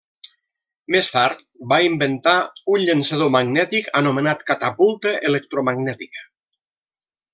Més tard, va inventar un llançador magnètic anomenat catapulta electromagnètica.